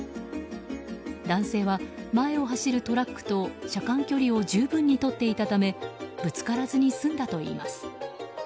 男性は前を走るトラックと車間距離を十分にとっていたためぶつからずに済んだといいます。